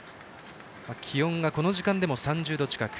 気温がこの時間でも３０度近く。